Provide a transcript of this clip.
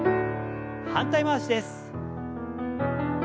反対回しです。